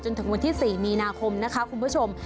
ถึงวันที่๔มีนาคมนะคะคุณผู้ชม